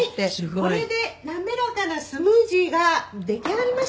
「これで滑らかなスムージーが出来上がりました」